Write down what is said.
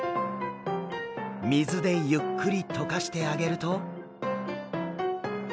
水でゆっくり解かしてあげると。